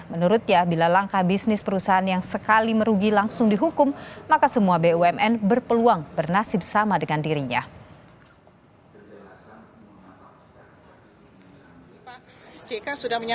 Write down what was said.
menurutnya bila langkah bisnis perusahaan yang sekali merugi langsung dihukum maka semua bumn berpeluang bernasib sama dengan dirinya